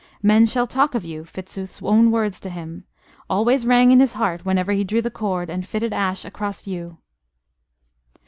"Men shall talk of you" Fitzooth's own words to him always rang in his heart whenever he drew the cord and fitted ash across yew.